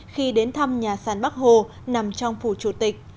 khi đến thăm nhà sàn bắc hồ nằm trong phủ chủ tịch